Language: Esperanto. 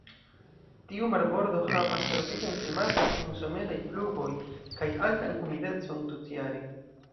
Tiu marbordo havas tropikan klimaton kun someraj pluvoj kaj altan humidecon tutjare.